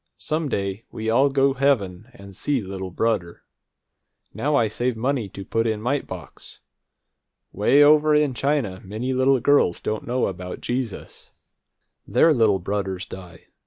Some day we all go heaven and see little brudder! Now I save money to put in mite box. Way over in China many little girls don't know about Jesus. Their little brudders die.